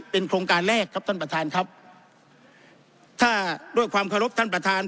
เป็นโครงการแรกครับท่านประธานครับถ้าด้วยความเคารพท่านประธาน